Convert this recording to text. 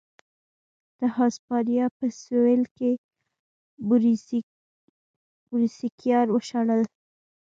د هسپانیا په سوېل کې موریسکیان وشړل.